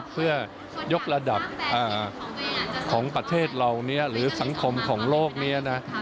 เพื่อยกระดับของประเทศเรานี้หรือสังคมของโลกนี้นะ